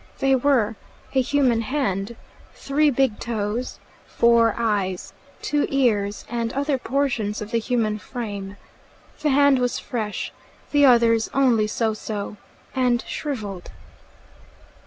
They were a human hand, three big toes, four eyes, two ears, and other portions of the human frame. The hand was fresh, the others only so so, and shrivelled.